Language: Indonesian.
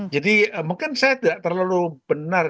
jadi mungkin saya tidak terlalu benar